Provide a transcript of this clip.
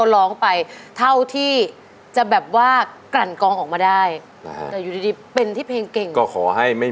ดูมันไม่โฟล์น่ะ